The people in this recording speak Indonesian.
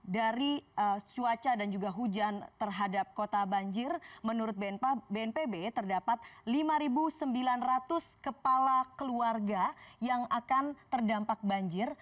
dari cuaca dan juga hujan terhadap kota banjir menurut bnpb terdapat lima sembilan ratus kepala keluarga yang akan terdampak banjir